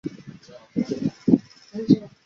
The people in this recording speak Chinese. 在中国菜里也有一种类似的叫做醪糟的甜品。